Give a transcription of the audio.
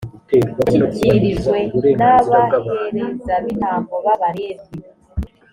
ayashyikirijwe n’abaherezabitambo b’abalevi.